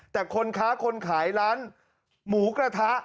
แต่คนค้าคนขายร้านหมูกระทะ